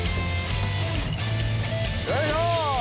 よいしょ！